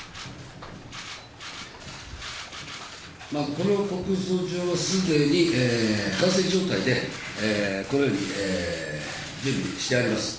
この告訴状をすでに、完成状態でこのように準備してあります。